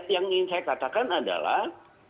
yang ingin saya katakan adalah